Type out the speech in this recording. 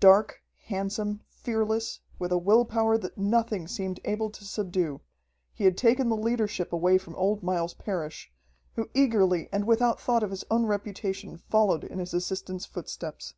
Dark, handsome, fearless, with a will power that nothing seemed able to subdue, he had taken the leadership away from old Miles Parrish, who eagerly and without thought of his own reputation followed in his assistant's footsteps.